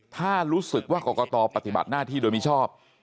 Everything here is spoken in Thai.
ถ้ารู้สึกว่ากรกตปฏิบัติหน้าที่โดยมิชอบ